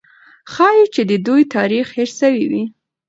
ښایي چې د دوی تاریخ هېر سوی وي.